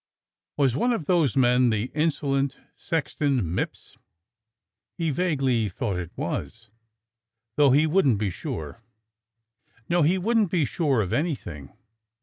Was one of those men that insolent Sexton Mipps.^ He vaguely thought it was, though he wouldn't be sure. No, he wouldn't be sure of anything!